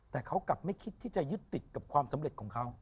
แต่เขากลับไม่คิดที่จะยึดติดกับความสำเร็จของเขา